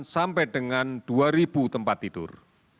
sampai dengan dua tempat tidur